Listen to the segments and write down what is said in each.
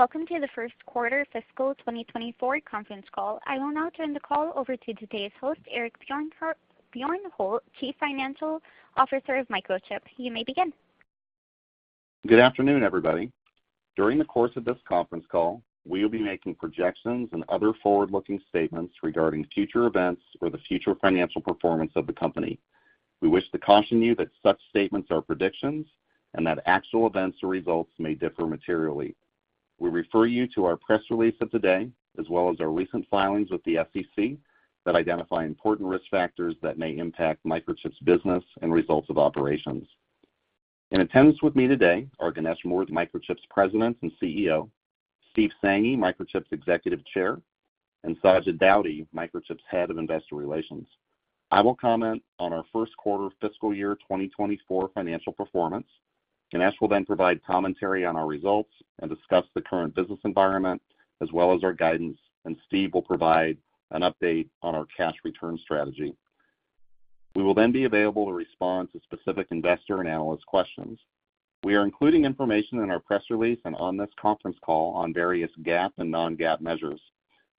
Welcome to the Q1 Fiscal 2024 Conference Call. I will now turn the call over to today's host, Eric Bjornholt, Chief Financial Officer of Microchip. You may begin. Good afternoon, everybody. During the course of this conference call, we will be making projections and other forward-looking statements regarding future events or the future financial performance of the company. We wish to caution you that such statements are predictions and that actual events or results may differ materially. We refer you to our press release of today, as well as our recent filings with the SEC, that identify important risk factors that may impact Microchip's business and results of operations. In attendance with me today are Ganesh Moorthy, Microchip's President and CEO, Steve Sanghi, Microchip's Executive Chair, and Sajid Daudi, Microchip's Head of Investor Relations. I will comment on our Q1 fiscal year 2024 financial performance, Ganesh will then provide commentary on our results and discuss the current business environment, as well as our guidance, and Steve will provide an update on our cash return strategy. We will then be available to respond to specific investor and analyst questions. We are including information in our press release and on this conference call on various GAAP and non-GAAP measures.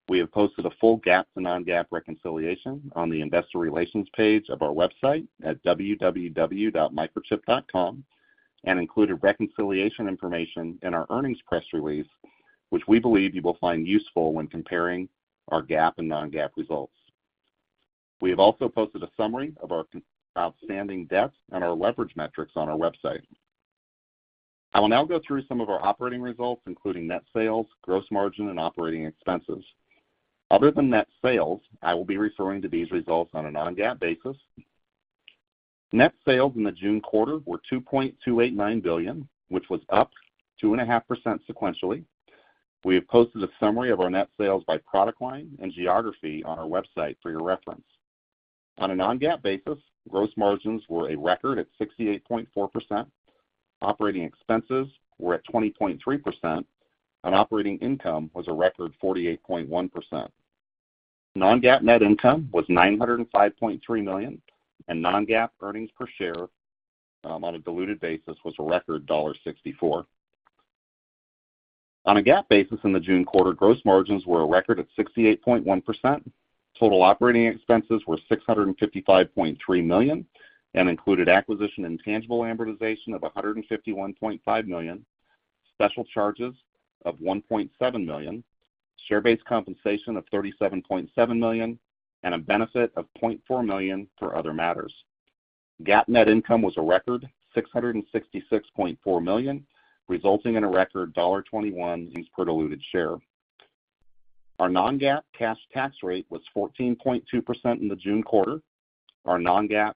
We have posted a full GAAP and non-GAAP reconciliation on the investor relations page of our website at www.microchip.com, and included reconciliation information in our earnings press release, which we believe you will find useful when comparing our GAAP and non-GAAP results. We have also posted a summary of our outstanding debt and our leverage metrics on our website. I will now go through some of our operating results, including net sales, gross margin, and operating expenses. Other than net sales, I will be referring to these results on a non-GAAP basis. Net sales in the June quarter were $2.289 billion, which was up 2.5% sequentially. We have posted a summary of our net sales by product line and geography on our website for your reference. On a non-GAAP basis, gross margins were a record at 68.4%. Operating expenses were at 20.3%, and operating income was a record 48.1%. Non-GAAP net income was $905.3 million, and non-GAAP earnings per share on a diluted basis, was a record $1.64. On a GAAP basis in the June quarter, gross margins were a record at 68.1%. Total operating expenses were $655.3 million and included acquisition and tangible amortization of $151.5 million, special charges of $1.7 million, share-based compensation of $37.7 million, and a benefit of $0.4 million for other matters. GAAP net income was a record $666.4 million, resulting in a record $1.21 per diluted share. Our non-GAAP cash tax rate was 14.2% in the June quarter. Our non-GAAP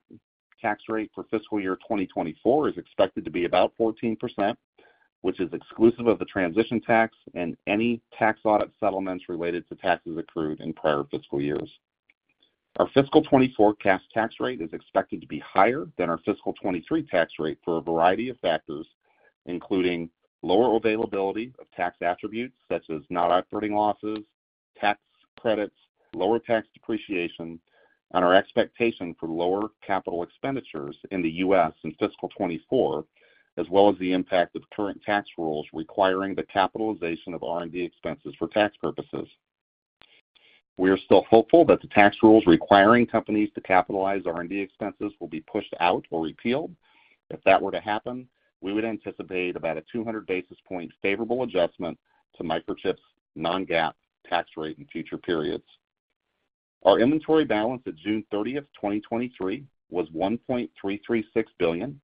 tax rate for fiscal year 2024 is expected to be about 14%, which is exclusive of the transition tax and any tax audit settlements related to taxes accrued in prior fiscal years. Our fiscal 2024 cash tax rate is expected to be higher than our fiscal 2023 tax rate for a variety of factors, including lower availability of tax attributes such as non-recurring losses, tax credits, lower tax depreciation, and our expectation for lower capital expenditures in the US in fiscal 2024, as well as the impact of current tax rules requiring the capitalization of R&D expenses for tax purposes. We are still hopeful that the tax rules requiring companies to capitalize R&D expenses will be pushed out or repealed. If that were to happen, we would anticipate about a 200 basis point favorable adjustment to Microchip's non-GAAP tax rate in future periods. Our inventory balance at June 30th, 2023, was $1.336 billion.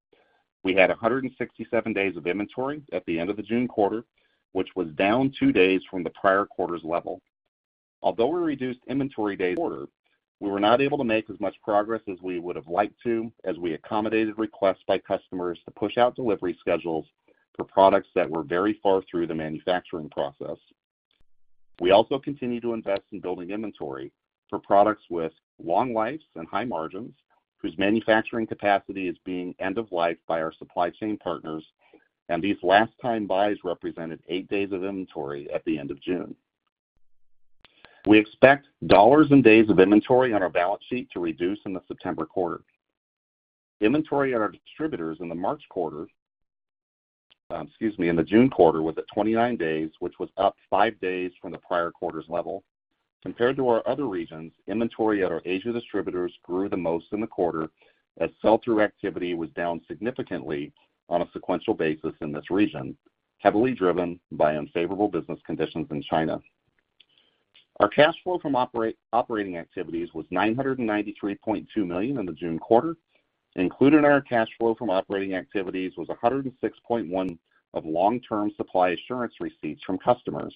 We had 167 days of inventory at the end of the June quarter, which was down 2 days from the prior quarter's level. Although we reduced inventory day quarter, we were not able to make as much progress as we would have liked to, as we accommodated requests by customers to push out delivery schedules for products that were very far through the manufacturing process. We also continued to invest in building inventory for products with long lives and high margins, whose manufacturing capacity is being end of life by our supply chain partners. These last time buys represented eight days of inventory at the end of June. We expect dollars and days of inventory on our balance sheet to reduce in the September quarter. Inventory at our distributors in the March quarter, excuse me, in the June quarter, was at 29 days, which was up five days from the prior quarter's level. Compared to our other regions, inventory at our Asia distributors grew the most in the quarter, as sell-through activity was down significantly on a sequential basis in this region, heavily driven by unfavorable business conditions in China. Our cash flow from operating activities was $993.2 million in the June quarter. Included in our cash flow from operating activities was $106.1 of long-term supply assurance receipts from customers.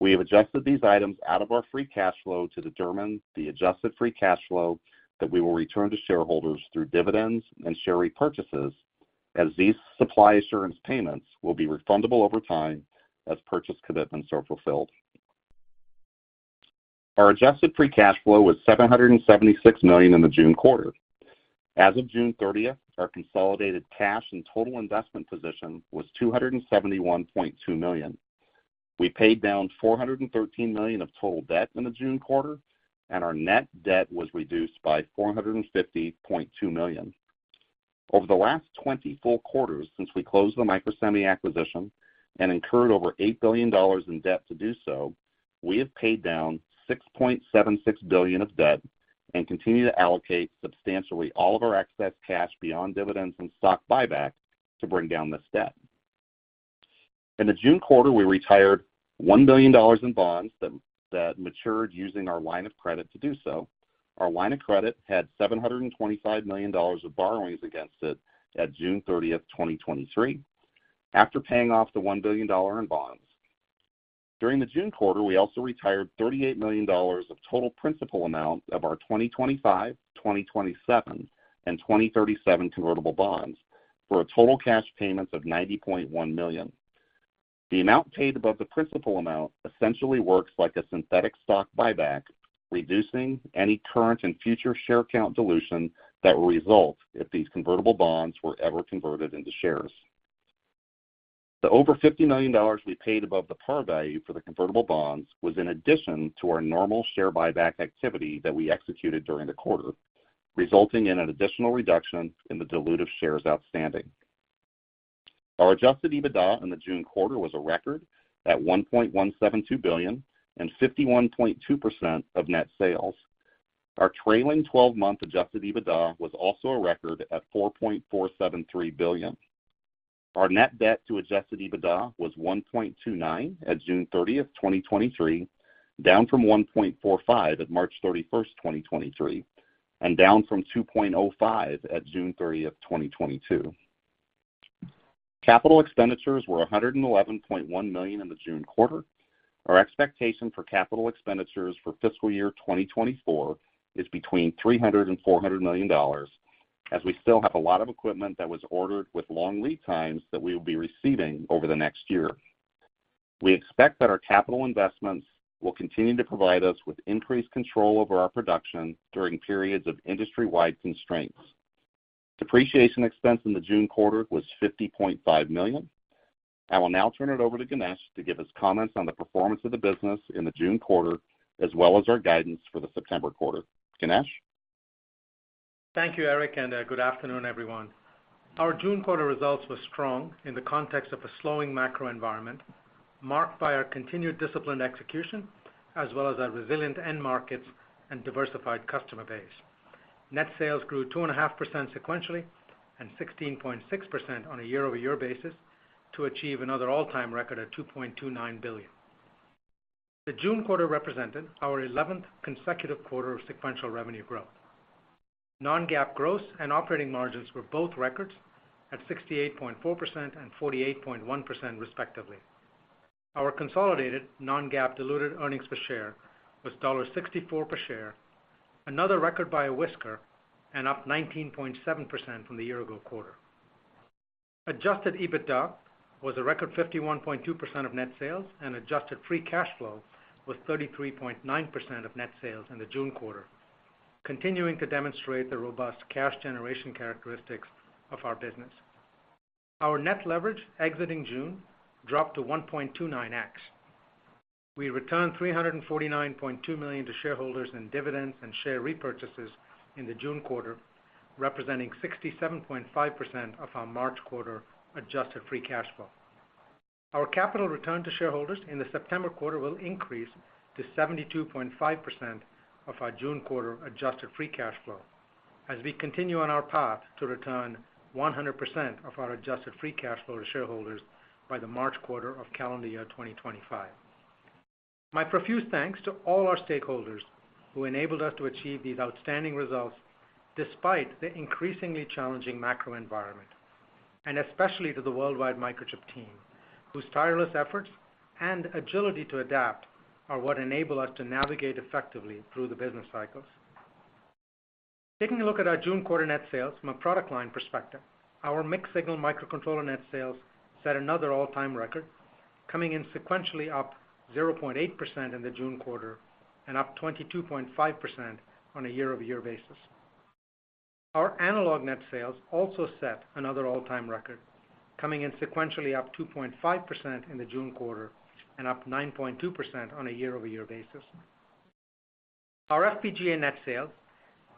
We have adjusted these items out of our free cash flow to determine the adjusted free cash flow that we will return to shareholders through dividends and share repurchases, as these supply assurance payments will be refundable over time as purchase commitments are fulfilled. Our adjusted free cash flow was $776 million in the June quarter. As of June 30th, our consolidated cash and total investment position was $271.2 million. We paid down $413 million of total debt in the June quarter, and our net debt was reduced by $450.2 million. Over the last 20 full quarters since we closed the Microsemi acquisition and incurred over $8 billion in debt to do so, we have paid down $6.76 billion of debt and continue to allocate substantially all of our excess cash beyond dividends and stock buyback to bring down this debt. In the June quarter, we retired $1 billion in bonds that matured using our line of credit to do so. Our line of credit had $725 million of borrowings against it at June 30, 2023, after paying off the $1 billion in bonds. During the June quarter, we also retired $38 million of total principal amount of our 2025, 2027, and 2037 convertible bonds, for a total cash payments of $90.1 million. The amount paid above the principal amount essentially works like a synthetic stock buyback, reducing any current and future share count dilution that will result if these convertible bonds were ever converted into shares. The over $50 million we paid above the par value for the convertible bonds was in addition to our normal share buyback activity that we executed during the quarter, resulting in an additional reduction in the dilutive shares outstanding. Our adjusted EBITDA in the June quarter was a record at $1.172 billion and 51.2% of net sales. Our trailing twelve-month adjusted EBITDA was also a record at $4.473 billion. Our net debt to adjusted EBITDA was 1.29 at June 30th, 2023, down from 1.45 at March 31st, 2023, down from 2.05 at June 30th, 2022. Capital expenditures were $111.1 million in the June quarter. Our expectation for capital expenditures for fiscal year 2024 is between $300 million and $400 million, as we still have a lot of equipment that was ordered with long lead times that we will be receiving over the next year. We expect that our capital investments will continue to provide us with increased control over our production during periods of industry-wide constraints. Depreciation expense in the June quarter was $50.5 million.I will now turn it over to Ganesh to give his comments on the performance of the business in the June quarter, as well as our guidance for the September quarter. Ganesh? Thank you, Eric, good afternoon, everyone. Our June quarter results were strong in the context of a slowing macro environment, marked by our continued disciplined execution, as well as our resilient end markets and diversified customer base. Net sales grew 2.5% sequentially and 16.6% on a year-over-year basis to achieve another all-time record of $2.29 billion. The June quarter represented our 11th consecutive quarter of sequential revenue growth. Non-GAAP gross and operating margins were both records at 68.4% and 48.1%, respectively. Our consolidated non-GAAP diluted earnings per share was $1.64 per share, another record by a whisker and up 19.7% from the year-ago quarter. adjusted EBITDA was a record 51.2% of net sales, and adjusted free cash flow was 33.9% of net sales in the June quarter, continuing to demonstrate the robust cash generation characteristics of our business. Our net leverage exiting June dropped to 1.29x. We returned $349.2 million to shareholders in dividends and share repurchases in the June quarter, representing 67.5% of our March quarter adjusted free cash flow. Our capital return to shareholders in the September quarter will increase to 72.5% of our June quarter adjusted free cash flow, as we continue on our path to return 100% of our adjusted free cash flow to shareholders by the March quarter of calendar year 2025. My profuse thanks to all our stakeholders who enabled us to achieve these outstanding results, despite the increasingly challenging macro environment. Especially to the worldwide Microchip team, whose tireless efforts and agility to adapt are what enable us to navigate effectively through the business cycles. Taking a look at our June quarter net sales from a product line perspective, our mixed signal microcontroller net sales set another all-time record, coming in sequentially up 0.8% in the June quarter and up 22.5% on a year-over-year basis. Our analog net sales also set another all-time record, coming in sequentially up 2.5% in the June quarter and up 9.2% on a year-over-year basis. Our FPGA net sales,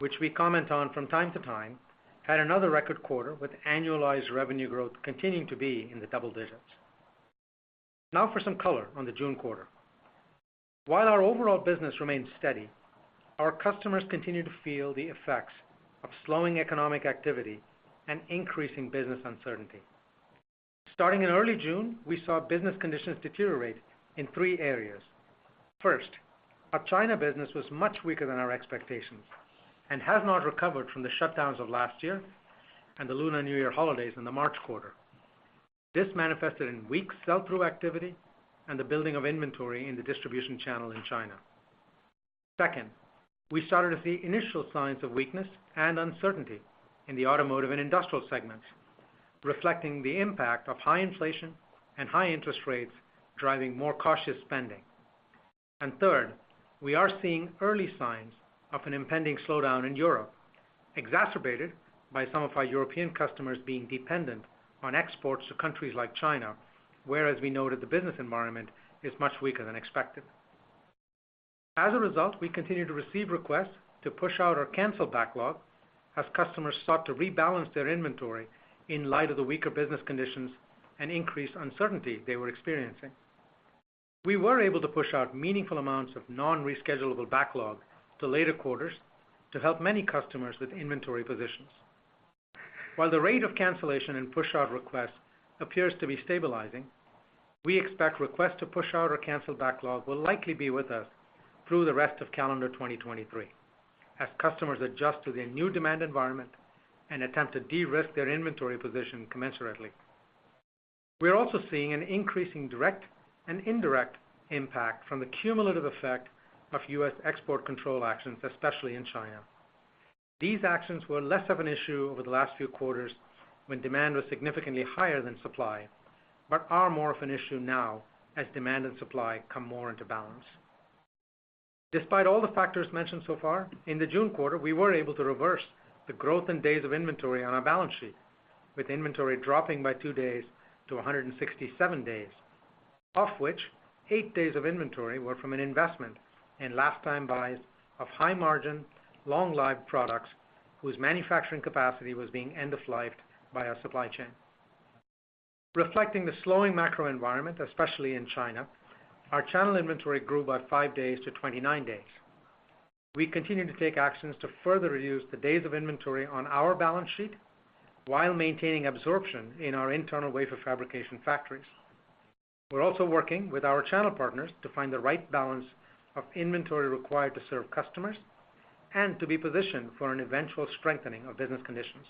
which we comment on from time to time, had another record quarter, with annualized revenue growth continuing to be in the double digits. Now for some color on the June quarter. While our overall business remains steady, our customers continue to feel the effects of slowing economic activity and increasing business uncertainty. Starting in early June, we saw business conditions deteriorate in 3 areas. First, our China business was much weaker than our expectations and has not recovered from the shutdowns of last year and the Lunar New Year holidays in the March quarter. This manifested in weak sell-through activity and the building of inventory in the distribution channel in China. Second, we started to see initial signs of weakness and uncertainty in the automotive and industrial segments, reflecting the impact of high inflation and high interest rates, driving more cautious spending. Third, we are seeing early signs of an impending slowdown in Europe, exacerbated by some of our European customers being dependent on exports to countries like China, whereas we know that the business environment is much weaker than expected. As a result, we continue to receive requests to push out or cancel backlog as customers sought to rebalance their inventory in light of the weaker business conditions and increased uncertainty they were experiencing. We were able to push out meaningful amounts of non-reschedule backlog to later quarters to help many customers with inventory positions. While the rate of cancellation and push out requests appears to be stabilizing, we expect requests to push out or cancel backlog will likely be with us through the rest of calendar 2023, as customers adjust to the new demand environment and attempt to de-risk their inventory position commensurately. We are also seeing an increasing direct and indirect impact from the cumulative effect of U.S. export control actions, especially in China. These actions were less of an issue over the last few quarters when demand was significantly higher than supply, but are more of an issue now as demand and supply come more into balance. Despite all the factors mentioned so far, in the June quarter, we were able to reverse the growth in days of inventory on our balance sheet, with inventory dropping by two days to 167 days, of which eight days of inventory were from an investment in last time buys of high margin, long-lived products, whose manufacturing capacity was being end of life by our supply chain. Reflecting the slowing macro environment, especially in China, our channel inventory grew about five days to 29 days. We continue to take actions to further reduce the days of inventory on our balance sheet while maintaining absorption in our internal wafer fabrication factories. We're also working with our channel partners to find the right balance of inventory required to serve customers and to be positioned for an eventual strengthening of business conditions.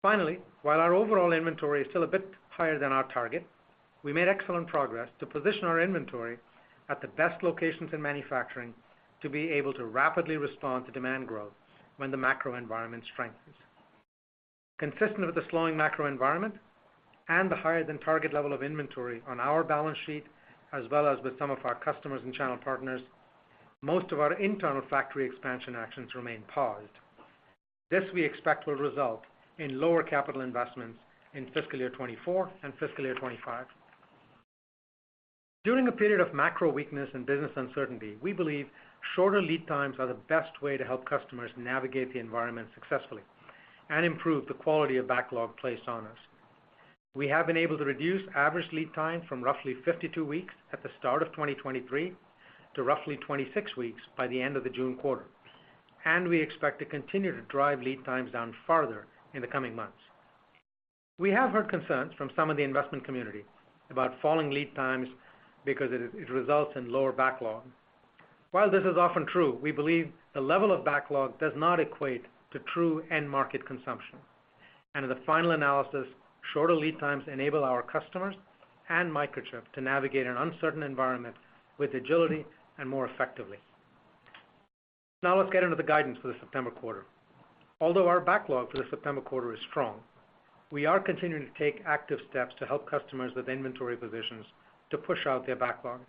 Finally, while our overall inventory is still a bit higher than our target, we made excellent progress to position our inventory at the best locations in manufacturing to be able to rapidly respond to demand growth when the macro environment strengthens. Consistent with the slowing macro environment and the higher than target level of inventory on our balance sheet, as well as with some of our customers and channel partners, most of our internal factory expansion actions remain paused. This, we expect, will result in lower capital investments in fiscal year 2024 and fiscal year 2025. During a period of macro weakness and business uncertainty, we believe shorter lead times are the best way to help customers navigate the environment successfully and improve the quality of backlog placed on us. We have been able to reduce average lead time from roughly 52 weeks at the start of 2023 to roughly 26 weeks by the end of the June quarter, and we expect to continue to drive lead times down farther in the coming months. We have heard concerns from some of the investment community about falling lead times because it results in lower backlog. While this is often true, we believe the level of backlog does not equate to true end market consumption, and in the final analysis, shorter lead times enable our customers and Microchip to navigate an uncertain environment with agility and more effectively. Now, let's get into the guidance for the September quarter. Although our backlog for the September quarter is strong, we are continuing to take active steps to help customers with inventory positions to push out their backlog.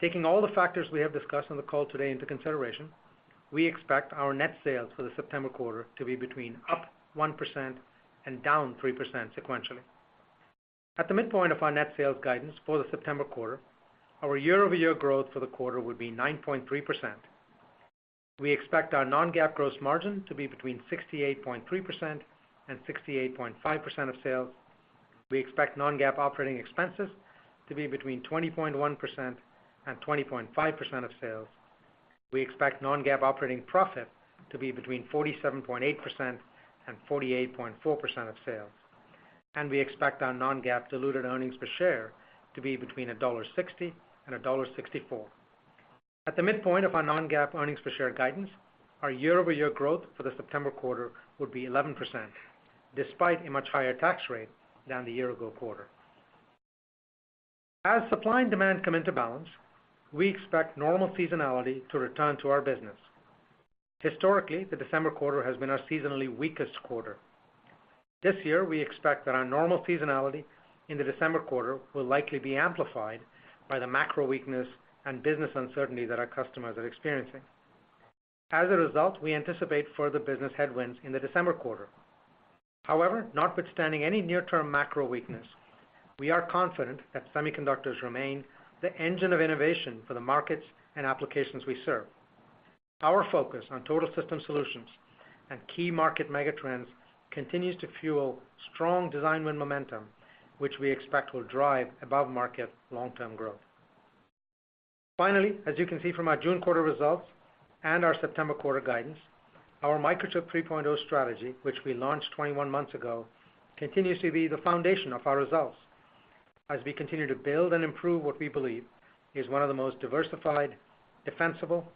Taking all the factors we have discussed on the call today into consideration, we expect our net sales for the September quarter to be between +1% and -3% sequentially. At the midpoint of our net sales guidance for the September quarter, our year-over-year growth for the quarter would be 9.3%. We expect our non-GAAP gross margin to be between 68.3% and 68.5% of sales. We expect non-GAAP operating expenses to be between 20.1% and 20.5% of sales. We expect non-GAAP operating profit to be between 47.8% and 48.4% of sales. We expect our non-GAAP diluted earnings per share to be between $1.60 and $1.64. At the midpoint of our non-GAAP earnings per share guidance, our year-over-year growth for the September quarter would be 11%, despite a much higher tax rate than the year ago quarter. As supply and demand come into balance, we expect normal seasonality to return to our business. Historically, the December quarter has been our seasonally weakest quarter. This year, we expect that our normal seasonality in the December quarter will likely be amplified by the macro weakness and business uncertainty that our customers are experiencing. As a result, we anticipate further business headwinds in the December quarter. However, notwithstanding any near-term macro weakness, we are confident that semiconductors remain the engine of innovation for the markets and applications we serve. Our focus on Total System Solutions and key market mega trends continues to fuel strong design win momentum, which we expect will drive above market long-term growth. Finally, as you can see from our June quarter results and our September quarter guidance, our Microchip 3.0 strategy, which we launched 21 months ago, continues to be the foundation of our results as we continue to build and improve what we believe is one of the most diversified, defensible,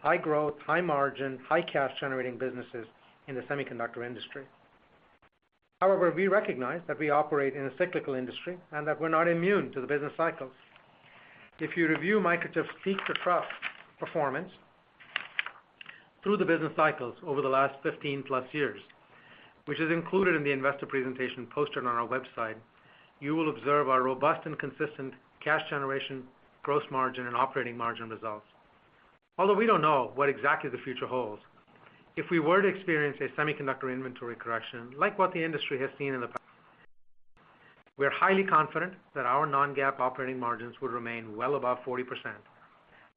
high growth, high margin, high cash generating businesses in the semiconductor industry. However, we recognize that we operate in a cyclical industry and that we're not immune to the business cycles. If you review Microchip's peak to trough performance through the business cycles over the last 15+ years, which is included in the investor presentation posted on our website, you will observe our robust and consistent cash generation, gross margin, and operating margin results. Although we don't know what exactly the future holds, if we were to experience a semiconductor inventory correction like what the industry has seen in the past...... We are highly confident that our non-GAAP operating margins will remain well above 40%,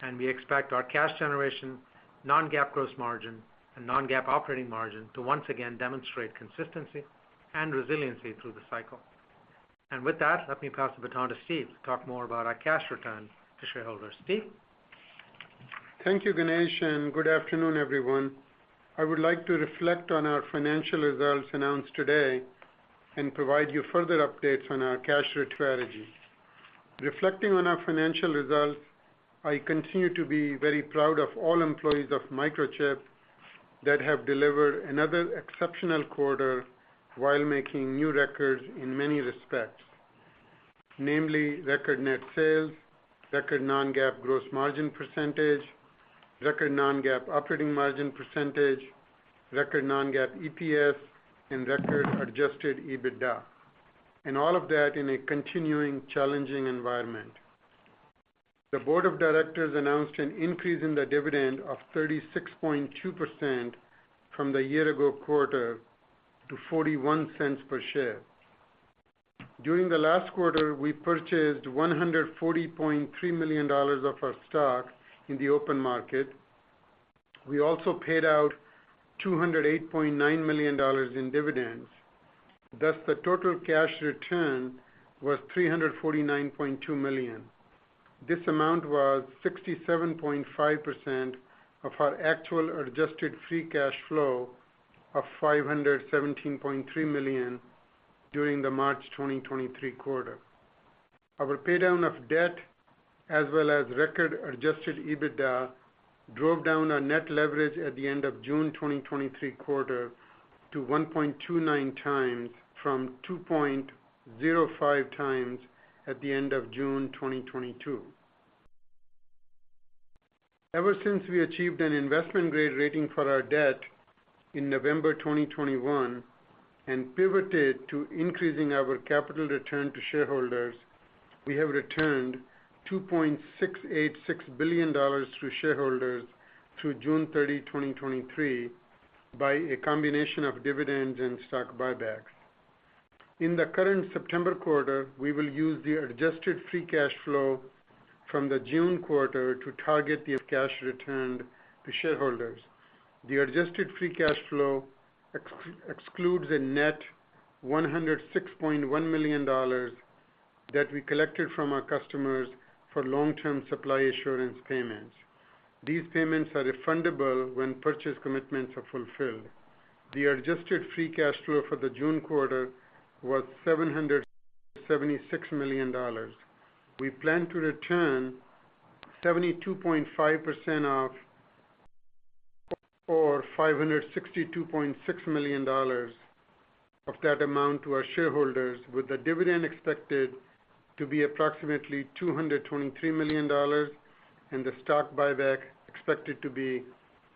and we expect our cash generation, non-GAAP gross margin, and non-GAAP operating margin to once again demonstrate consistency and resiliency through the cycle. With that, let me pass the baton to Steve to talk more about our cash return to shareholders. Steve? Thank you, Ganesh. Good afternoon, everyone. I would like to reflect on our financial results announced today and provide you further updates on our cash rate strategy. Reflecting on our financial results, I continue to be very proud of all employees of Microchip that have delivered another exceptional quarter while making new records in many respects, namely record net sales, record non-GAAP gross margin %, record non-GAAP operating margin %, record non-GAAP EPS, and record adjusted EBITDA, all of that in a continuing challenging environment. The board of directors announced an increase in the dividend of 36.2% from the year ago quarter to $0.41 per share. During the last quarter, we purchased $140.3 million of our stock in the open market. We also paid out $208.9 million in dividends. Thus, the total cash return was $349.2 million. This amount was 67.5% of our actual adjusted free cash flow of $517.3 million during the March 2023 quarter. Our paydown of debt, as well as record adjusted EBITDA, drove down our net leverage at the end of June 2023 quarter to 1.29 times from 2.05 times at the end of June 2022. Ever since we achieved an investment-grade rating for our debt in November 2021 and pivoted to increasing our capital return to shareholders, we have returned $2.686 billion to shareholders through June 30, 2023, by a combination of dividends and stock buybacks. In the current September quarter, we will use the adjusted free cash flow from the June quarter to target the cash returned to shareholders. The adjusted free cash flow excludes a net $106.1 million that we collected from our customers for Long-Term Supply Assurance payments. These payments are refundable when purchase commitments are fulfilled. The adjusted free cash flow for the June quarter was $776 million. We plan to return 72.5% of, or $562.6 million of that amount to our shareholders, with the dividend expected to be approximately $223 million, and the stock buyback expected to be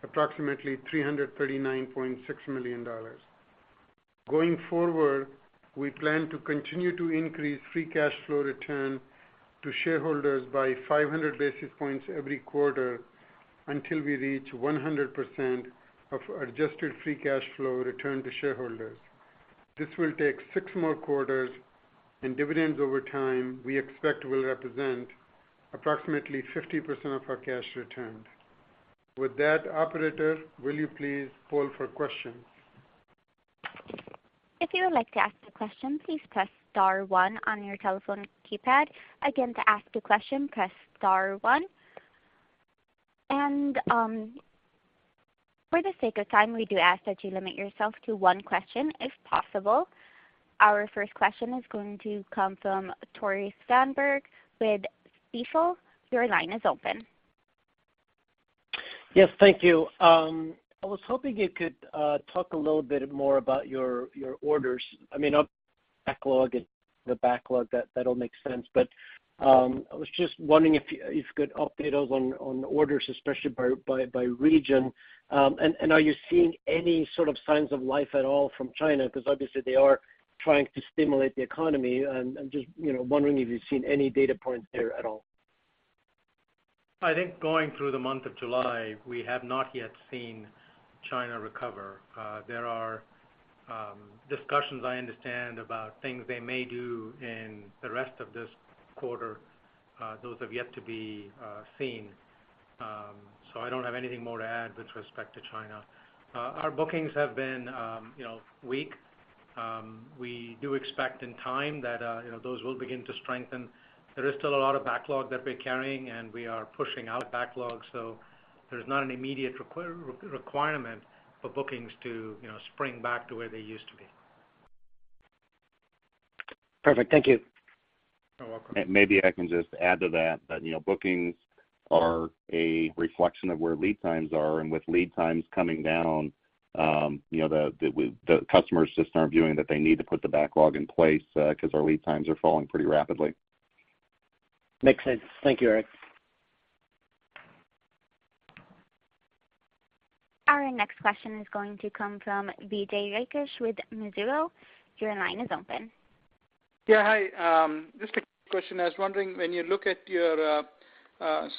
approximately $339.6 million. Going forward, we plan to continue to increase free cash flow return to shareholders by 500 basis points every quarter until we reach 100% of adjusted free cash flow returned to shareholders. This will take six more quarters, and dividends over time, we expect, will represent approximately 50% of our cash returned. With that, operator, will you please poll for questions? If you would like to ask a question, please press star one on your telephone keypad. Again, to ask a question, press star one. For the sake of time, we do ask that you limit yourself to one question if possible. Our first question is going to come from Tore Svanberg with Stifel. Your line is open. Yes, thank you. I was hoping you could talk a little bit more about your, your orders. I mean, not backlog, the backlog, that, that all makes sense. I was just wondering if you, if you could update us on, on orders, especially by region. And are you seeing any sort of signs of life at all from China? Because obviously they are trying to stimulate the economy, and I'm just, you know, wondering if you've seen any data points there at all. I think going through the month of July, we have not yet seen China recover. There are discussions I understand about things they may do in the rest of this quarter. Those have yet to be seen. I don't have anything more to add with respect to China. Our bookings have been, you know, weak. We do expect in time that, you know, those will begin to strengthen. There is still a lot of backlog that we're carrying, and we are pushing out backlogs, so there's not an immediate requirement for bookings to, you know, spring back to where they used to be. Perfect. Thank you. You're welcome. Maybe I can just add to that, that, you know, bookings are a reflection of where lead times are, and with lead times coming down, you know, the, the, the customers just aren't viewing that they need to put the backlog in place, because our lead times are falling pretty rapidly. Makes sense. Thank you, Eric. Our next question is going to come from Vijay Rakesh with Mizuho. Your line is open. Yeah. Hi, just a question. I was wondering, when you look at your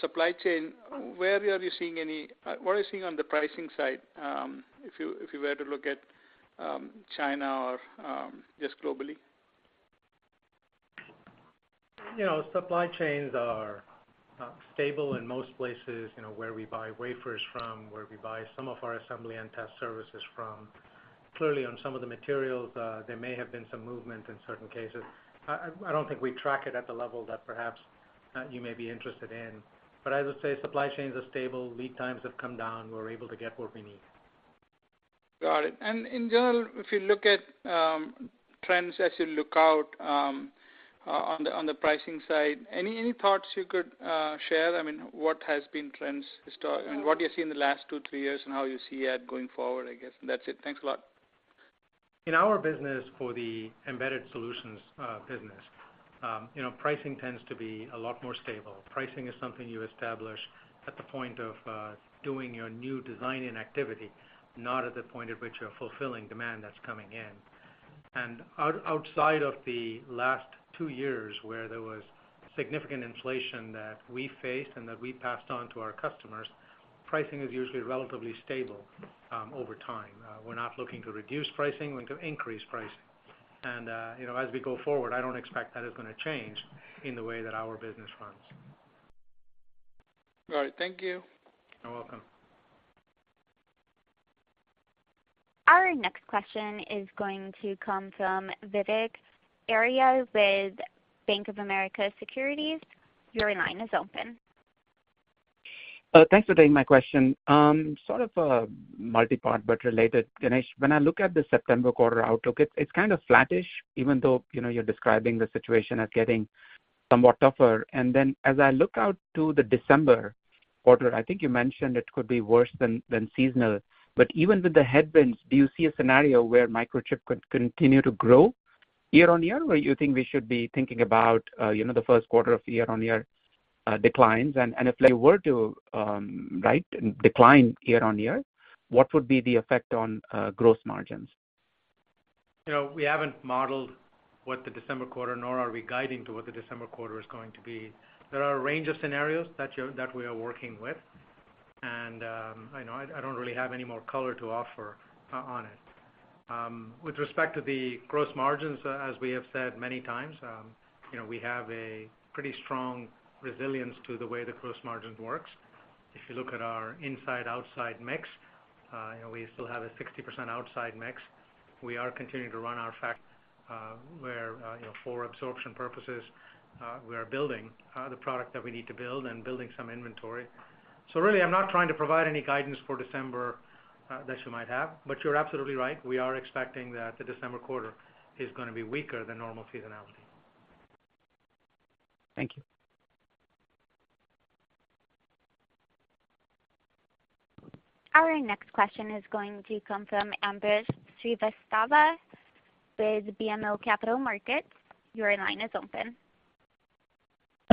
supply chain, what are you seeing on the pricing side, if you were to look at China or just globally?... You know, supply chains are stable in most places, you know, where we buy wafers from, where we buy some of our assembly and test services from. Clearly, on some of the materials, there may have been some movement in certain cases. I, I don't think we track it at the level that perhaps, you may be interested in. I would say supply chains are stable, lead times have come down. We're able to get what we need. Got it. In general, if you look at, trends as you look out, on the, on the pricing side, any, any thoughts you could, share? I mean, what has been trends histor- and what do you see in the last two, three years, and how you see it going forward, I guess? That's it. Thanks a lot. In our business, for the embedded solutions, business, you know, pricing tends to be a lot more stable. Pricing is something you establish at the point of doing your new design and activity, not at the point at which you're fulfilling demand that's coming in. Outside of the last 2 years, where there was significant inflation that we faced and that we passed on to our customers, pricing is usually relatively stable over time. We're not looking to reduce pricing, we're looking to increase pricing. You know, as we go forward, I don't expect that is gonna change in the way that our business runs. All right, thank you. You're welcome. Our next question is going to come from Vivek Arya with Bank of America Securities. Your line is open. Thanks for taking my question. Sort of a multi-part but related, Ganesh. When I look at the September quarter outlook, it's kind of flattish, even though, you know, you're describing the situation as getting somewhat tougher. As I look out to the December quarter, I think you mentioned it could be worse than seasonal. Even with the headwinds, do you see a scenario where Microchip could continue to grow year-on-year? Or you think we should be thinking about, you know, the Q1 of year-on-year declines? If they were to, right, decline year-on-year, what would be the effect on gross margins? You know, we haven't modeled what the December quarter, nor are we guiding to what the December quarter is going to be. There are a range of scenarios that that we are working with, and I know I, I don't really have any more color to offer on it. With respect to the gross margins, as we have said many times, you know, we have a pretty strong resilience to the way the gross margin works. If you look at our inside-outside mix, you know, we still have a 60% outside mix. We are continuing to run our factory, where, you know, for absorption purposes, we are building the product that we need to build and building some inventory. I'm not trying to provide any guidance for December that you might have, but you're absolutely right, we are expecting that the December quarter is gonna be weaker than normal seasonality. Thank you. Our next question is going to come from Ambrish Srivastava with BMO Capital Markets. Your line is open.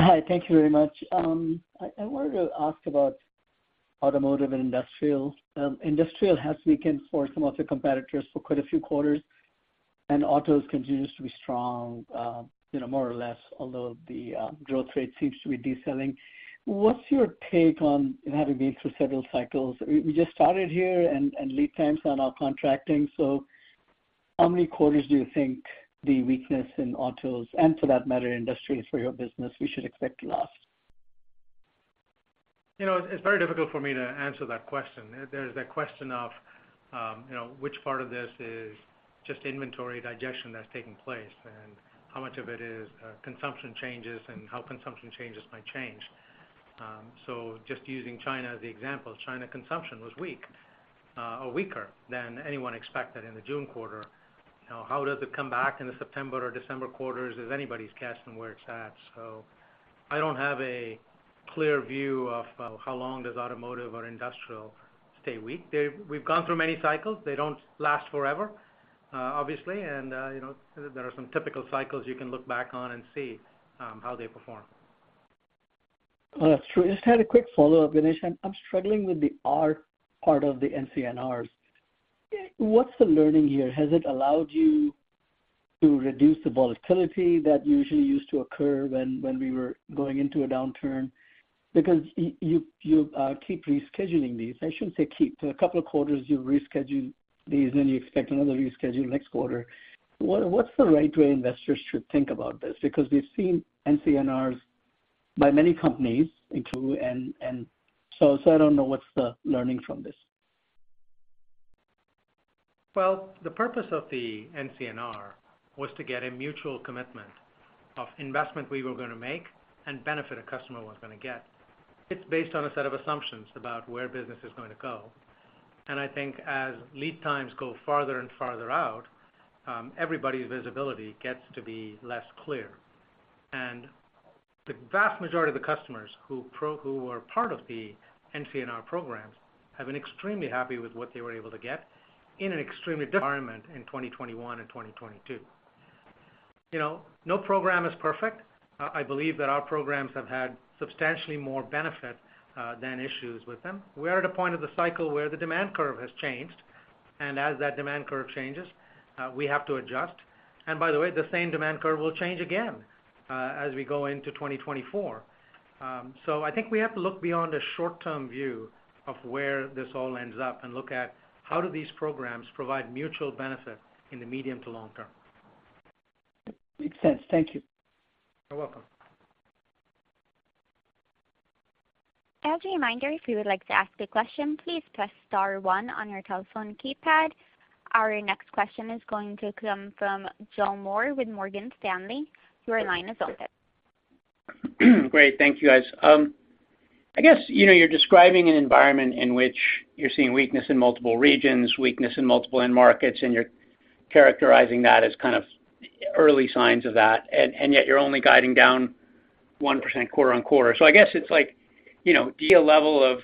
Hi, thank you very much. I, I wanted to ask about automotive and industrial. Industrial has weakened for some of the competitors for quite a few quarters, and autos continues to be strong, you know, more or less, although the growth rate seems to be decelerating. What's your take on having been through several cycles? We, we just started here, and, and lead times are now contracting, so how many quarters do you think the weakness in autos, and for that matter, industries for your business, we should expect to last? You know, it's very difficult for me to answer that question. There, there is that question of, you know, which part of this is just inventory digestion that's taking place, and how much of it is consumption changes and how consumption changes might change. Just using China as the example, China consumption was weak, or weaker than anyone expected in the June quarter. You know, how does it come back in the September or December quarters is anybody's guess on where it's at. I don't have a clear view of how long does automotive or industrial stay weak. We've gone through many cycles. They don't last forever, obviously, and, you know, there are some typical cycles you can look back on and see how they perform. Sure. Just had a quick follow-up, Ganesh. I'm struggling with the R part of the NCNR. What's the learning here? Has it allowed you to reduce the volatility that usually used to occur when, when we were going into a downturn? Because you, you keep rescheduling these. I shouldn't say keep. For a couple of quarters, you've rescheduled these, then you expect another reschedule next quarter. What, what's the right way investors should think about this? Because we've seen NCNRs by many companies, including you, and, and so, so I don't know what's the learning from this. Well, the purpose of the NCNR was to get a mutual commitment of investment we were gonna make and benefit a customer was gonna get. It's based on a set of assumptions about where business is going to go, and I think as lead times go farther and farther out, everybody's visibility gets to be less clear. The vast majority of the customers who who are part of the NCNR programs, have been extremely happy with what they were able to get in an extremely environment in 2021 and 2022. You know, no program is perfect. I believe that our programs have had substantially more benefit than issues with them. We are at a point of the cycle where the demand curve has changed, and as that demand curve changes, we have to adjust. By the way, the same demand curve will change again, as we go into 2024. I think we have to look beyond a short-term view of where this all ends up and look at how do these programs provide mutual benefit in the medium to long term. Makes sense. Thank you. You're welcome. As a reminder, if you would like to ask a question, please press star one on your telephone keypad. Our next question is going to come from Joe Moore with Morgan Stanley. Your line is open. Great. Thank you, guys. I guess, you know, you're describing an environment in which you're seeing weakness in multiple regions, weakness in multiple end markets, and you're characterizing that as kind of early signs of that, and, and yet you're only guiding down 1% quarter-on-quarter. I guess it's like, you know, do you level of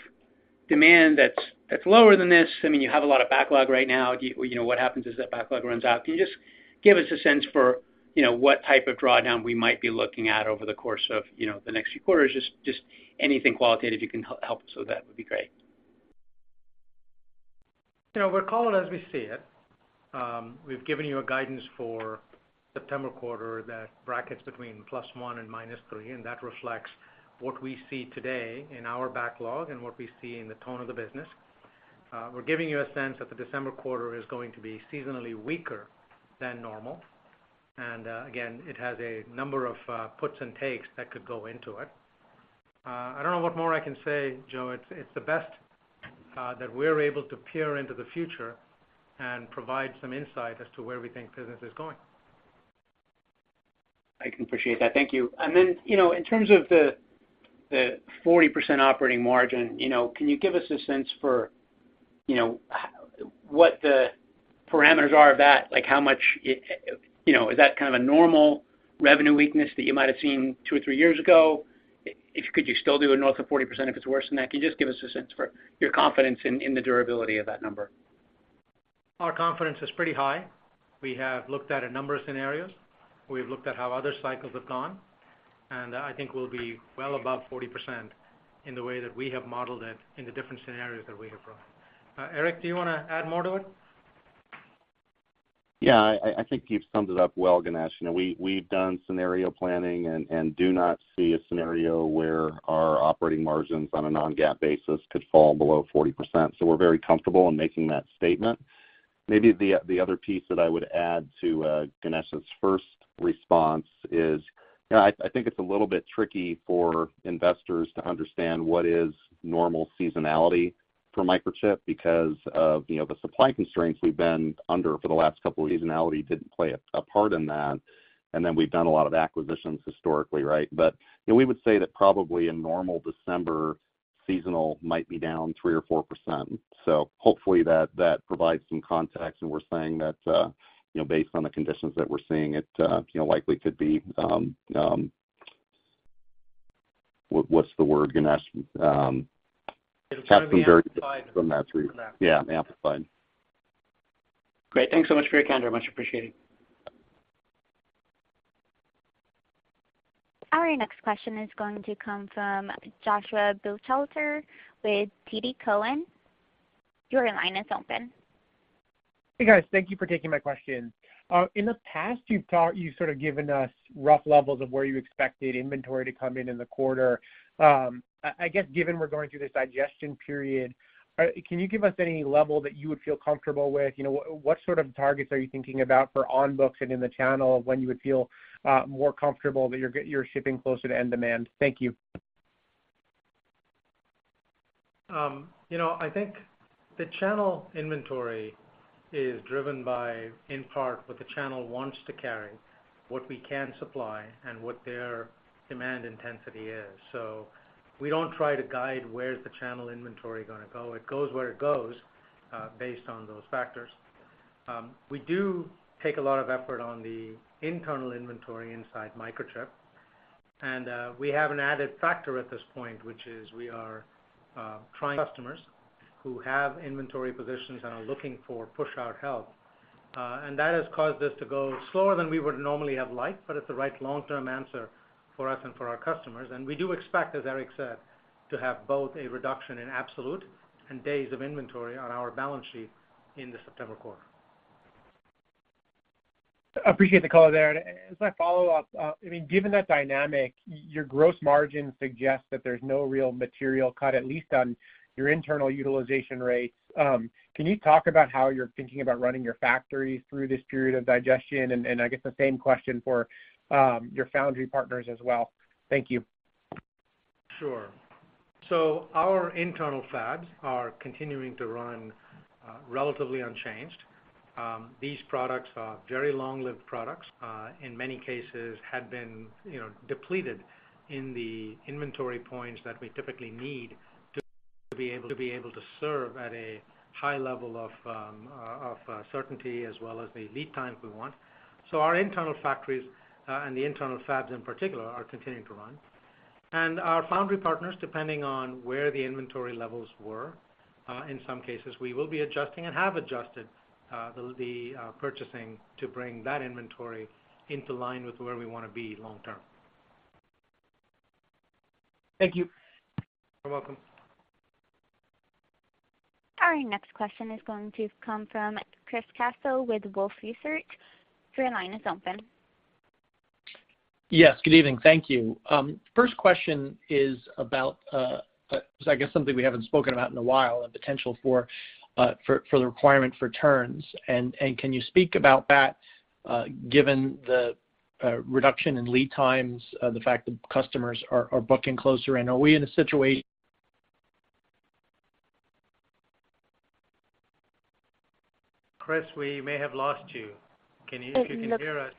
demand that's, that's lower than this? I mean, you have a lot of backlog right now. You know, what happens is that backlog runs out? Can you just give us a sense for, you know, what type of drawdown we might be looking at over the course of, you know, the next few quarters? Just, just anything qualitative you can help us with that would be great. You know, we're calling as we see it. We've given you a guidance for September quarter, that brackets between +1 and -3, and that reflects what we see today in our backlog and what we see in the tone of the business. We're giving you a sense that the December quarter is going to be seasonally weaker than normal, and again, it has a number of puts and takes that could go into it. I don't know what more I can say, Joe. It's, it's the best that we're able to peer into the future and provide some insight as to where we think business is going. I can appreciate that. Thank you. Then, you know, in terms of the, the 40% operating margin, you know, can you give us a sense for, you know, what the parameters are of that? Like, how much, it, you know, is that kind of a normal revenue weakness that you might have seen 2 or 3 years ago? If could you still do a north of 40% if it's worse than that? Can you just give us a sense for your confidence in, in the durability of that number? Our confidence is pretty high. We have looked at a number of scenarios. We've looked at how other cycles have gone. I think we'll be well above 40% in the way that we have modeled it in the different scenarios that we have run. Eric, do you wanna add more to it? Yeah, I, I think you've summed it up well, Ganesh. You know, we, we've done scenario planning and, and do not see a scenario where our operating margins on a non-GAAP basis could fall below 40%, so we're very comfortable in making that statement. Maybe the, the other piece that I would add to Ganesh's first response is, you know, I, I think it's a little bit tricky for investors to understand what is normal seasonality for Microchip because of, you know, the supply constraints we've been under for the last 2 years. Seasonality didn't play a, a part in that, and then we've done a lot of acquisitions historically, right? You know, we would say that probably in normal December, seasonal might be down 3% or 4%. Hopefully that, that provides some context, and we're saying that, you know, based on the conditions that we're seeing, it, you know, likely could be... What, what's the word, Ganesh? It'll probably be amplified from that. Yeah, amplified. Great. Thanks so much for your time. Much appreciated. Our next question is going to come from Joshua Buchalter with TD Cowen. Your line is open. Hey, guys. Thank you for taking my question. In the past, you've sort of given us rough levels of where you expected inventory to come in in the quarter. I, I guess, given we're going through this digestion period, can you give us any level that you would feel comfortable with? You know, what, what sort of targets are you thinking about for on books and in the channel when you would feel more comfortable that you're shipping closer to end demand? Thank you. You know, I think the channel inventory is driven by, in part, what the channel wants to carry, what we can supply, and what their demand intensity is. We don't try to guide where's the channel inventory gonna go. It goes where it goes, based on those factors. We do take a lot of effort on the internal inventory inside Microchip, and we have an added factor at this point, which is we are trying customers who have inventory positions and are looking for push-out help. That has caused this to go slower than we would normally have liked, but it's the right long-term answer for us and for our customers. We do expect, as Eric said, to have both a reduction in absolute and days of inventory on our balance sheet in the September quarter. Appreciate the call there. As I follow up, I mean, given that dynamic, your gross margin suggests that there's no real material cut, at least on your internal utilization rates. Can you talk about how you're thinking about running your factories through this period of digestion? And I guess the same question for your foundry partners as well. Thank you. Sure. Our internal fabs are continuing to run, relatively unchanged. These products are very long-lived products, in many cases had been, you know, depleted in the inventory points that we typically need to be able, to be able to serve at a high level of certainty as well as the lead times we want. Our internal factories, and the internal fabs in particular, are continuing to run. Our foundry partners, depending on where the inventory levels were, in some cases, we will be adjusting and have adjusted, the, the, purchasing to bring that inventory into line with where we wanna be long term. Thank you. You're welcome. Our next question is going to come from Chris Caso with Wolfe Research. Your line is open. Yes, good evening. Thank you. First question is about, so I guess something we haven't spoken about in a while, the potential for, for, for the requirement for turns. Can you speak about that, given the.reduction in lead times, the fact that customers are, are booking closer, and are we in a? Chris, we may have lost you. Can you, if you can hear us?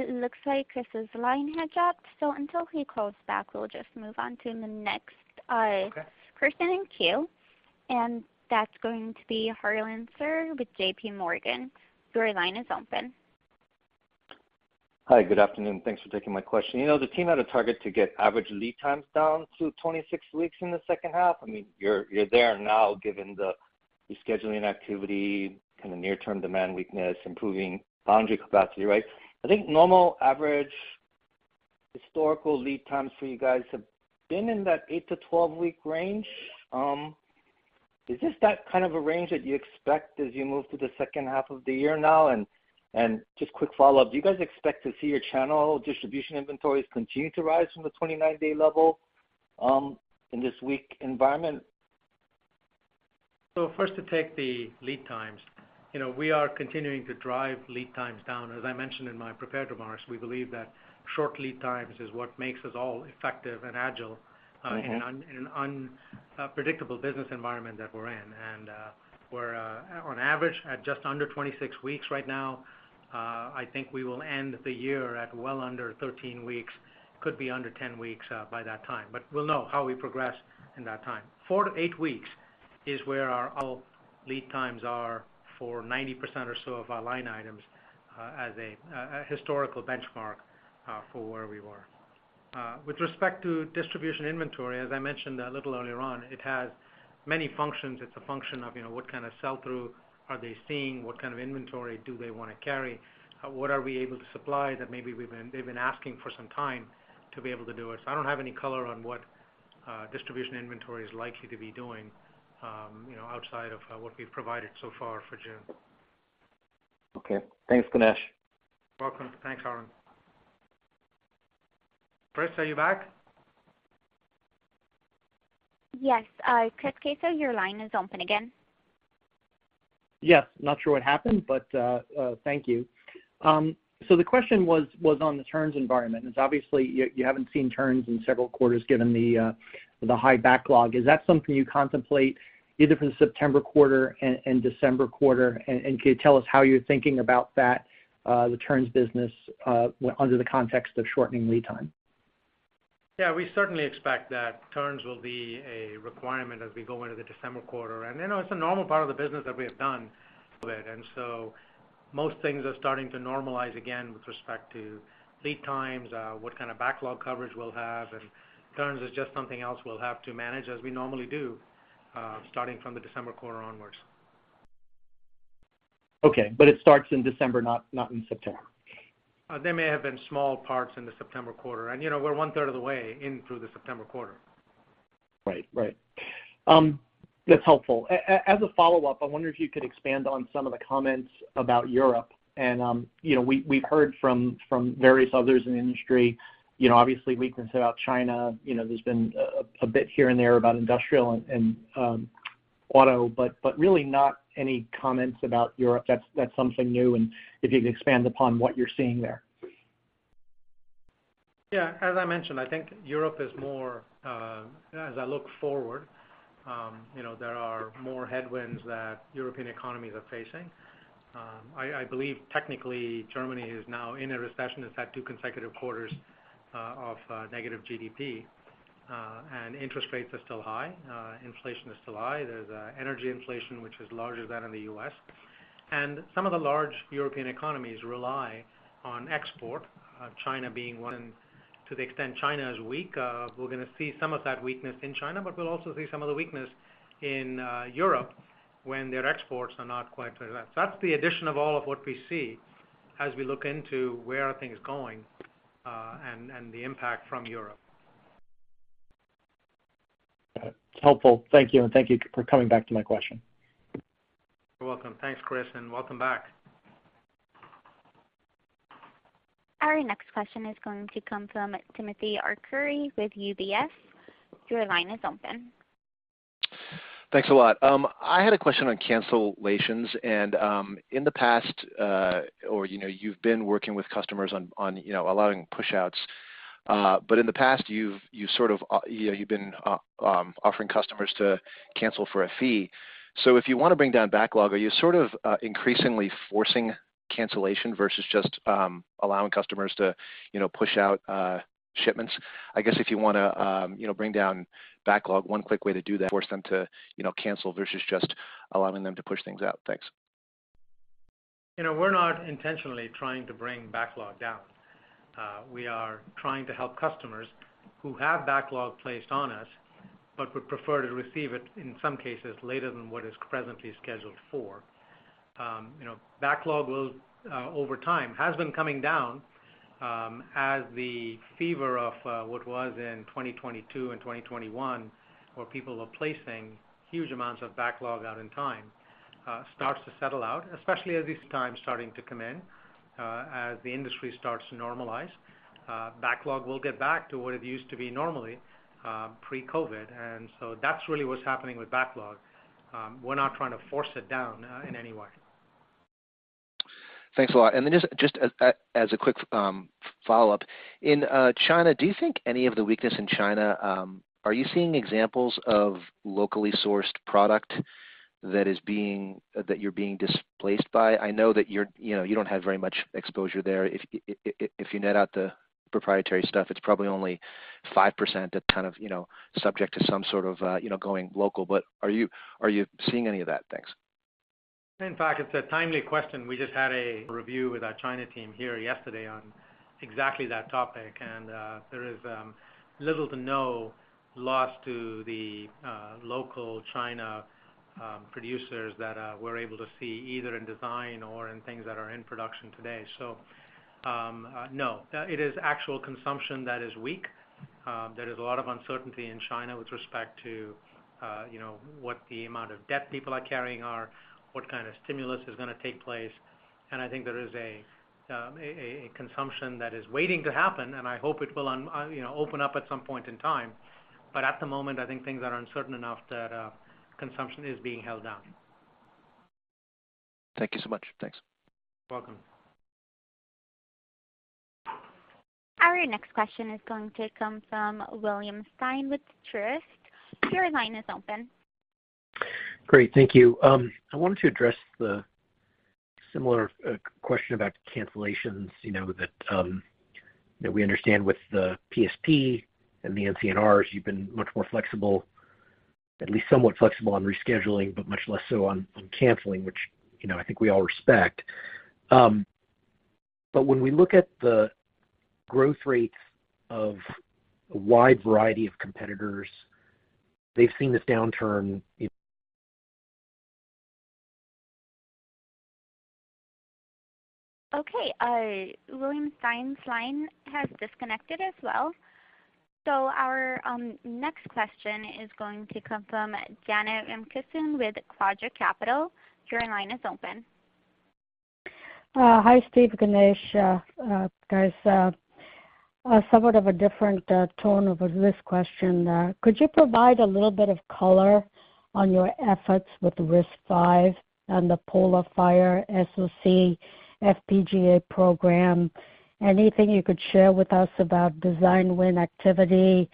It looks like Chris's line had dropped, so until he calls back, we'll just move on to the next. Okay. person in queue, that's going to be Harlan Sur with J.P. Morgan. Your line is open. Hi, good afternoon. Thanks for taking my question. You know, the team had a target to get average lead times down to 26 weeks in the H2. I mean, you're, you're there now, given the rescheduling activity, kind of near-term demand weakness, improving boundary capacity, right? I think normal, average, historical lead times for you guys have been in that 8-12 week range. Is this that kind of a range that you expect as you move to the H2 of the year now? Just quick follow-up, do you guys expect to see your channel distribution inventories continue to rise from the 29 day level in this weak environment? First, to take the lead times, you know, we are continuing to drive lead times down. As I mentioned in my prepared remarks, we believe that short lead times is what makes us all effective and agile in an unpredictable business environment that we're in. we're on average, at just under 26 weeks right now. I think we will end the year at well under 13 weeks, could be under 10 weeks by that time, but we'll know how we progress in that time. 4-8 weeks is where our lead times are for 90% or so of our line items as a historical benchmark for where we were. With respect to distribution inventory, as I mentioned a little earlier on, it has many functions. It's a function of, you know, what kind of sell-through are they seeing? What kind of inventory do they want to carry? What are we able to supply that maybe they've been asking for some time to be able to do it.I don't have any color on what distribution inventory is likely to be doing, you know, outside of what we've provided so far for June. Okay. Thanks, Ganesh. Welcome. Thanks, Harlan. Chris, are you back? Yes. Chris Caso, your line is open again. Yes. Not sure what happened, but, thank you. The question was, was on the turns environment. It's obviously, you, you haven't seen turns in several quarters given the high backlog. Is that something you contemplate either for the September quarter and, and December quarter? Could you tell us how you're thinking about that, the turns business, under the context of shortening lead time? Yeah, we certainly expect that turns will be a requirement as we go into the December quarter, and, you know, it's a normal part of the business that we have done to it. So most things are starting to normalize again with respect to lead times, what kind of backlog coverage we'll have, and turns is just something else we'll have to manage as we normally do, starting from the December quarter onwards. Okay, it starts in December, not, not in September? There may have been small parts in the September quarter, and, you know, we're one third of the way in through the September quarter. Right. Right. That's helpful. As a follow-up, I wonder if you could expand on some of the comments about Europe. You know, we've heard from various others in the industry, you know, obviously, weakness about China. You know, there's been a bit here and there about industrial and auto, but really not any comments about Europe. That's something new, if you could expand upon what you're seeing there. Yeah. As I mentioned, I think Europe is more, as I look forward, you know, there are more headwinds that European economies are facing. I, I believe technically Germany is now in a recession. It's had 2 consecutive quarters of negative GDP, and interest rates are still high, inflation is still high. There's energy inflation, which is larger than in the U.S. Some of the large European economies rely on export, China being one. To the extent China is weak, we're gonna see some of that weakness in China, but we'll also see some of the weakness in Europe when their exports are not quite there yet. That's the addition of all of what we see as we look into where are things going, and, and the impact from Europe. Got it. Helpful. Thank you, and thank you for coming back to my question. You're welcome. Thanks, Chris, and welcome back. Our next question is going to come from Timothy Arcuri with UBS. Your line is open. Thanks a lot. I had a question on cancellations. In the past, or, you know, you've been working with customers on, on, you know, allowing pushouts. In the past, you've, you sort of, you know, you've been offering customers to cancel for a fee. If you want to bring down backlog, are you sort of, increasingly forcing cancellation versus just, allowing customers to, you know, push out, shipments? I guess if you wanna, you know, bring down backlog, one quick way to do that, force them to, you know, cancel versus just allowing them to push things out. Thanks. You know, we're not intentionally trying to bring backlog down. We are trying to help customers who have backlog placed on us, but would prefer to receive it, in some cases, later than what is presently scheduled for. You know, backlog will, over time, has been coming down, as the fever of, what was in 2022 and 2021, where people were placing huge amounts of backlog out in time, starts to settle out, especially as these times starting to come in, as the industry starts to normalize, backlog will get back to what it used to be normally, pre-COVID, and so that's really what's happening with backlog. We're not trying to force it down, in any way. ... Thanks a lot. Just, just as a quick follow-up, in China, do you think any of the weakness in China, are you seeing examples of locally sourced product that is being, that you're being displaced by? I know that you're, you know, you don't have very much exposure there. If, if you net out the proprietary stuff, it's probably only 5% that kind of, you know, subject to some sort of, you know, going local. Are you, are you seeing any of that? Thanks. In fact, it's a timely question. We just had a review with our China team here yesterday on exactly that topic, and there is little to no loss to the local China producers that we're able to see either in design or in things that are in production today. No, it is actual consumption that is weak. There is a lot of uncertainty in China with respect to, you know, what the amount of debt people are carrying are, what kind of stimulus is gonna take place. I think there is a consumption that is waiting to happen, and I hope it will, you know, open up at some point in time. At the moment, I think things are uncertain enough that consumption is being held down. Thank you so much. Thanks. Welcome. Our next question is going to come from William Stein with Truist. Your line is open. Great, thank you. I wanted to address the similar question about cancellations, you know, that, that we understand with the PSP and the NCNRs, you've been much more flexible, at least somewhat flexible on rescheduling, but much less so on, on canceling, which, you know, I think we all respect. When we look at the growth rates of a wide variety of competitors, they've seen this downturn- Okay, William Stein's line has disconnected as well. Our next question is going to come from Janet Ramkissoon with Quadra Capital. Your line is open. Hi, Steve, Ganesh. Guys, a somewhat of a different tone of a risk question. Could you provide a little bit of color on your efforts with RISC-V and the PolarFire SoC FPGA program? Anything you could share with us about design win activity,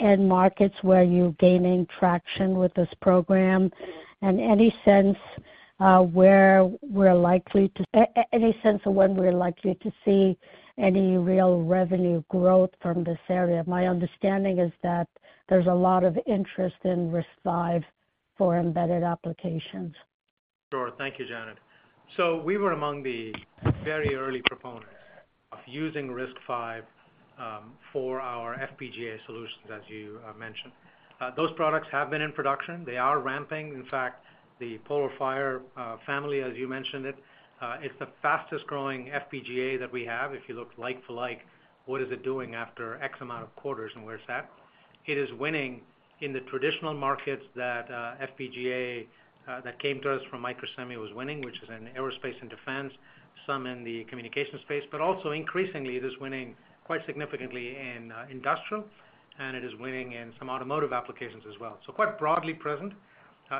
end markets where you're gaining traction with this program? Any sense of when we're likely to see any real revenue growth from this area? My understanding is that there's a lot of interest in RISC-V for embedded applications. Sure. Thank you, Janet. We were among the very early proponents of using RISC-V for our FPGA solutions, as you mentioned. Those products have been in production. They are ramping. In fact, the PolarFire family, as you mentioned it, it's the fastest growing FPGA that we have. If you look like for like, what is it doing after X amount of quarters and where it's at? It is winning in the traditional markets that FPGA that came to us from Microsemi was winning, which is in aerospace and defense, some in the communication space, but also increasingly, it is winning quite significantly in industrial, and it is winning in some automotive applications as well. Quite broadly present.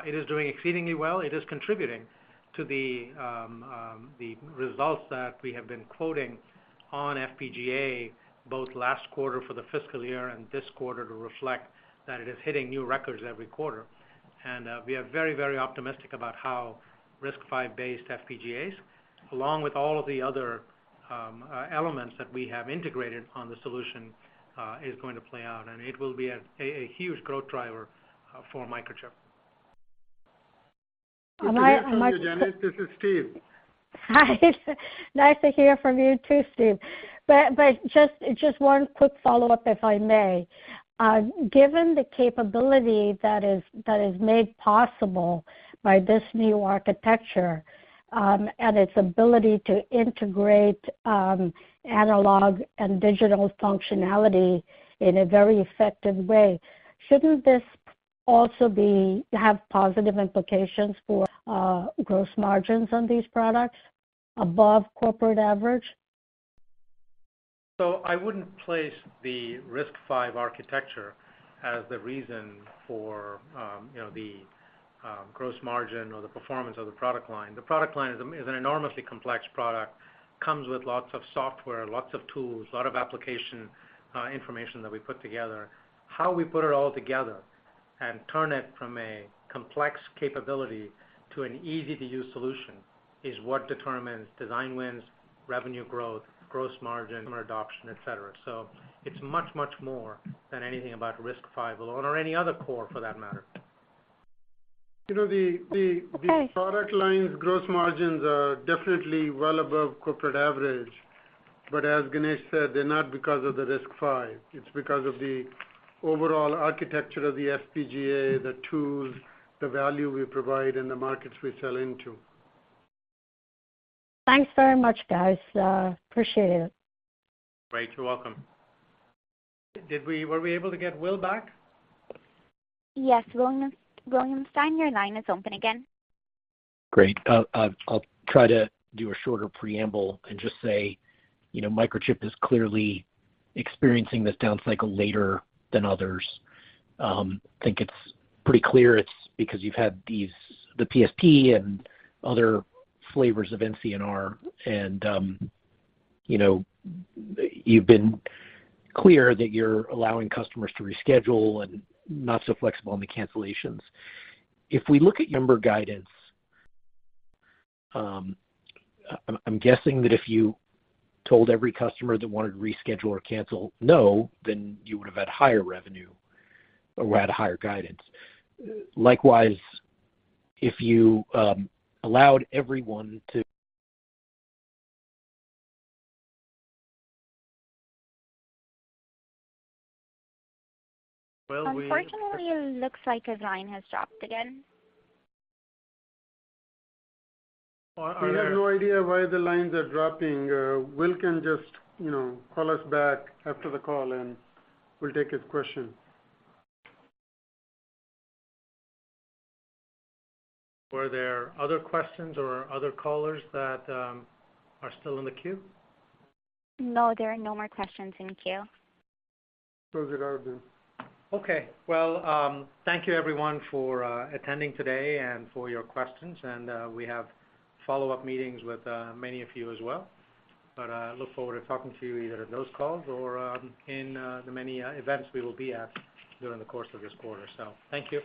It is doing exceedingly well. It is contributing to the results that we have been quoting on FPGA, both last quarter for the fiscal year and this quarter, to reflect that it is hitting new records every quarter. We are very, very optimistic about how RISC-V based FPGAs, along with all of the other elements that we have integrated on the solution, is going to play out, and it will be a huge growth driver for Microchip. And I- Thank you, Janet. This is Steve. Hi, nice to hear from you, too, Steve. Just one quick follow-up, if I may. Given the capability that is, that is made possible by this new architecture, and its ability to integrate, analog and digital functionality in a very effective way, shouldn't this also have positive implications for gross margins on these products above corporate average? I wouldn't place the RISC-V architecture as the reason for, you know, the gross margin or the performance of the product line. The product line is a, is an enormously complex product, comes with lots of software, lots of tools, a lot of application information that we put together. How we put it all together and turn it from a complex capability to an easy-to-use solution is what determines design wins, revenue growth, gross margin, customer adoption, et cetera. It's much, much more than anything about RISC-V alone or any other core for that matter. You know, the... Okay... the product line's gross margins are definitely well above corporate average. As Ganesh said, they're not because of the RISC-V, it's because of the overall architecture of the FPGA, the tools, the value we provide, and the markets we sell into. Thanks very much, guys. Appreciate it. Great, you're welcome. Were we able to get Will back? Yes. William, William Stein, your line is open again. Great. I'll try to do a shorter preamble and just say, you know, Microchip is clearly experiencing this down cycle later than others. I think it's pretty clear it's because you've had these, the PSP and other flavors of NCNR and, you know, you've been clear that you're allowing customers to reschedule and not so flexible on the cancellations. If we look at management guidance, I'm, I'm guessing that if you told every customer that wanted to reschedule or cancel, "No," then you would have had higher revenue or had higher guidance. Likewise, if you allowed everyone to- Well. Unfortunately, it looks like his line has dropped again. We have no idea why the lines are dropping. Will can just, you know, call us back after the call, and we'll take his question. Were there other questions or other callers that are still in the queue? No, there are no more questions in queue. Did I do. Okay. Well, thank you everyone, for attending today and for your questions, and we have follow-up meetings with many of you as well. Look forward to talking to you either in those calls or in the many events we will be at during the course of this quarter. Thank you.